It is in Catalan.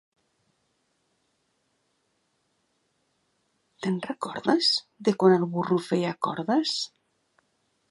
Te'n recordes? / —De quan el burro feia cordes.